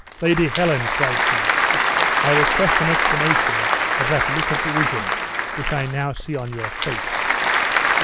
"Lady Helen," cried she, "I request an explanation of that look of derision which I now see on your face.